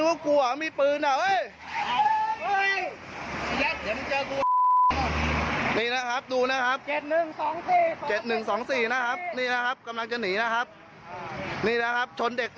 นี่นะครับนี่นะครับ